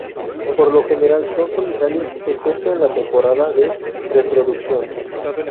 Por lo general son solitarios excepto en la temporada de reproducción.